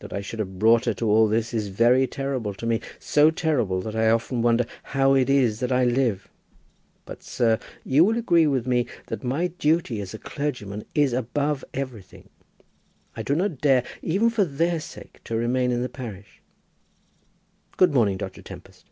That I should have brought her to all this is very terrible to me, so terrible, that I often wonder how it is that I live. But, sir, you will agree with me, that my duty as a clergyman is above everything. I do not dare, even for their sake, to remain in the parish. Good morning, Dr. Tempest."